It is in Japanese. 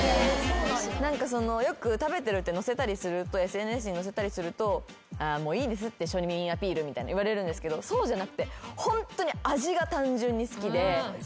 よく食べてるってＳＮＳに載せたりすると「もういいですって庶民アピール」みたいに言われるんですけどそうじゃなくてホントに。